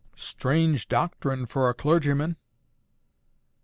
"Strange doctrine for a clergyman."